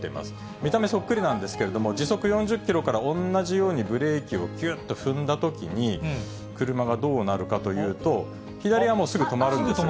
見た目そっくりなんですけれども、時速４０キロから同じようにブレーキをきゅっと踏んだときに車がどうなるかというと、左はもうすぐ止まるんですが。